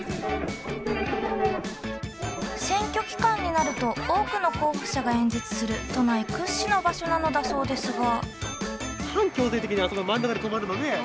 選挙期間になると多くの候補者が演説する都内屈指の場所なのだそうですが。